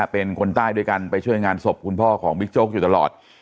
เป็นคนใต้ด้วยกันไปช่วยงานศพคุณพ่อของบิ๊กโจ๊กอยู่ตลอด